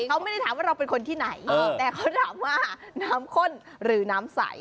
เขาไม่ได้ถามว่าเราเป็นคนที่ไหนแต่เขาถามว่าน้ำข้นหรือน้ำใส